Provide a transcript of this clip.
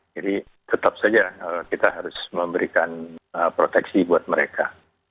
jadi tetap saja kita harus memberikan proteksi buat mereka